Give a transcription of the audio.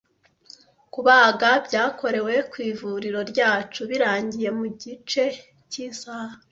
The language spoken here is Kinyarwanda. Kubaga, byakorewe ku ivuriro ryacu, birangiye mu gice cy'isaha.